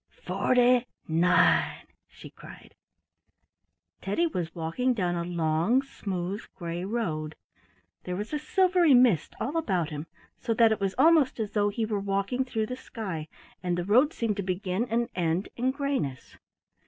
"FORTY NINE!" she cried. Teddy was walking down a long, smooth, gray road. There was a silvery mist all about him, so that it was almost as though he were walking through the sky, and the road seemed to begin and end in grayness.